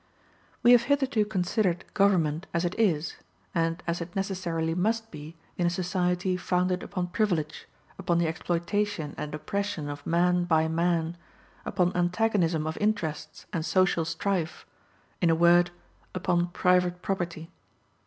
We have hitherto considered government as it is, and as it necessarily must be in a society founded upon privilege, upon the exploitation and oppression of man by man, upon antagonism of interests and social strife, in a word, upon private property.